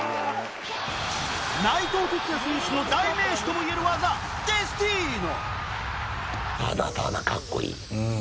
内藤哲也選手の代名詞ともいえる技デスティーノ